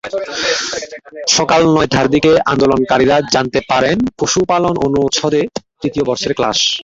সকাল নয়টার দিকে আন্দোলনকারীরা জানতে পারেন, পশুপালন অনুষদে তৃতীয় বর্ষের ক্লাস হচ্ছে।